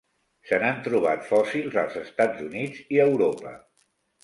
Se n'han trobat fòssils als Estats Units i Europa.